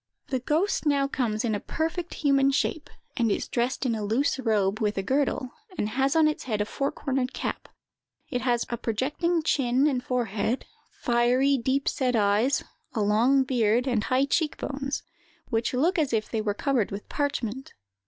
"The ghost now comes in a perfect human shape, and is dressed in a loose robe, with a girdle, and has on its head a four cornered cap. It has a projecting chin and forehead, fiery, deep set eyes, a long beard, and high cheek bones, which look as if they were covered with parchment.